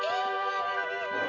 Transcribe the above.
oh ini dong